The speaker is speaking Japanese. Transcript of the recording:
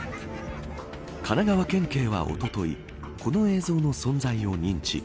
神奈川県警はおとといこの映像の存在を認知。